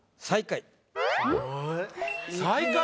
最下位？